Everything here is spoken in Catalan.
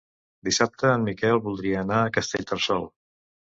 Dissabte en Miquel voldria anar a Castellterçol.